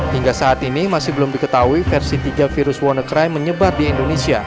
hingga saat ini masih belum diketahui versi tiga virus wannacry menyebar di indonesia